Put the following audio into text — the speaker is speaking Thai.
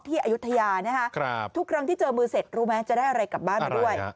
อายุทยานะคะทุกครั้งที่เจอมือเสร็จรู้ไหมจะได้อะไรกลับบ้านมาด้วย